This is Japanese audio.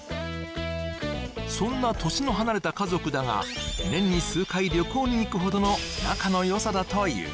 そんな年の離れた家族だが年に数回旅行に行くほどの仲の良さだという